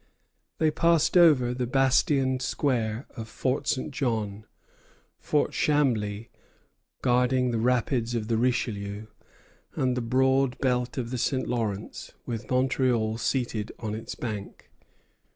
They passed over the bastioned square of Fort St. John, Fort Chambly guarding the rapids of the Richelieu, and the broad belt of the St. Lawrence, with Montreal seated on its bank.